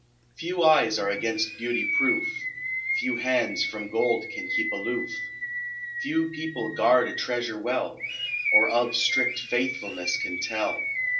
Few eyes are against beauty proof; Few hands from gold can keep aloof; Few people guard a treasure well, Or of strict faithfulness can tell.